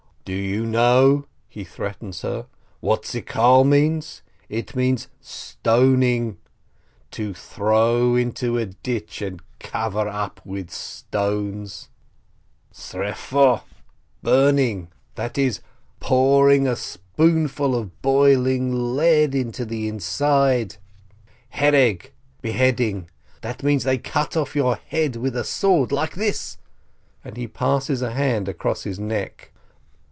"Do you know," he threatens her, "what Skiloh means? It means stoning, to throw into a ditch and cover up with stones ! Sref oh — burning, that is, pour ing a spoonful of boiling lead into the inside ! Hereg — beheading, that means they cut off your head with a sword! Like this" (and he passes a hand across his neck).